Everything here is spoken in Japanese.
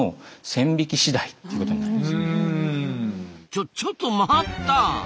ちょちょっと待った！